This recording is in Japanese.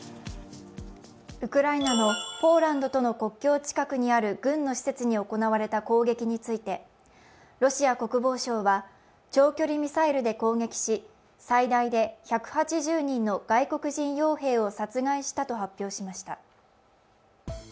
ウクライナのポーランドとの国境近くにある軍の施設に行われた攻撃についてロシア国防省は、長距離ミサイルで攻撃し、最大で１８０人の外国人傭兵を殺害したと明らかにしました。